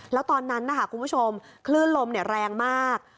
แล้วตอนนั้นนะคะคุณผู้ชมคลื่นลมแรงมาก